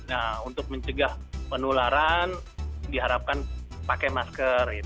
nah untuk mencegah penularan diharapkan pakai masker